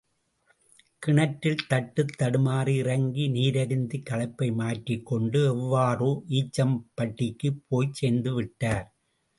கிணற்றில் தட்டுத்தடுமாறி இறங்கி நீரருந்திக் களைப்பை மாற்றிக்கொண்டு, எவ்வாறோ ஈச்சம்பட்டிக்குப் போய்ச் சேர்ந்துவிட்டார்.